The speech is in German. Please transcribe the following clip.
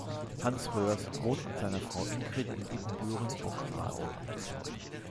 Hans Röhrs wohnt mit seiner Frau Ingrid in Ibbenbüren-Bockraden.